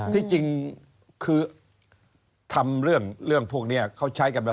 ที่จริงคือทำเรื่องพวกนี้เขาใช้กำลัง